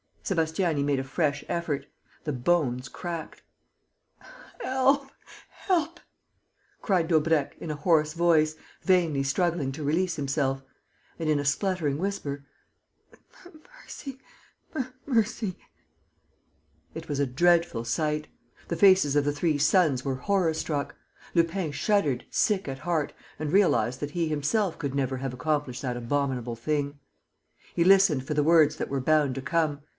Sébastiani made a fresh effort. The bones cracked. "Help! Help!" cried Daubrecq, in a hoarse voice, vainly struggling to release himself. And, in a spluttering whisper, "Mercy ... mercy." It was a dreadful sight.... The faces of the three sons were horror struck. Lupin shuddered, sick at heart, and realized that he himself could never have accomplished that abominable thing. He listened for the words that were bound to come.